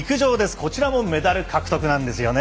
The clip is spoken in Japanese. こちらもメダル獲得なんですよね。